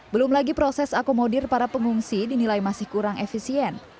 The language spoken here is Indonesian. belum lagi proses akomodir para pengungsi dinilai masih kurang efisien